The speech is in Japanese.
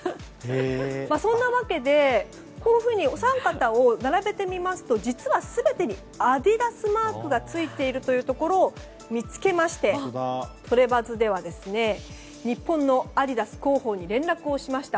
そんなわけでこういうふうにお三方を並べてみますと実は全てにアディダスマークがついているというところを見つけまして、トレバズでは日本のアディダス広報に連絡をしました。